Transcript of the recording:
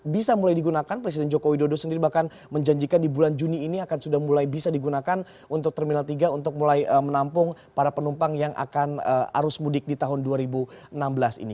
bisa mulai digunakan presiden joko widodo sendiri bahkan menjanjikan di bulan juni ini akan sudah mulai bisa digunakan untuk terminal tiga untuk mulai menampung para penumpang yang akan arus mudik di tahun dua ribu enam belas ini